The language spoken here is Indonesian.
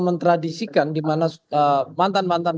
mentradisikan dimana mantan mantan